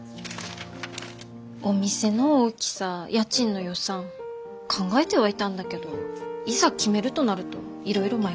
お店の大きさ家賃の予算考えてはいたんだけどいざ決めるとなるといろいろ迷ってしまって。